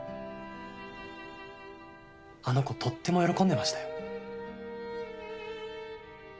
あの子とっても喜んでましたよ。